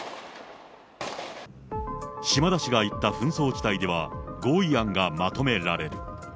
島田氏が行った紛争地帯では、合意案がまとめられる。